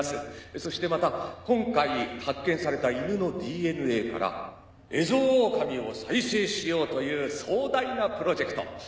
そしてまた今回発見された犬のＤＮＡからエゾオオカミを再生しようという壮大なプロジェクト。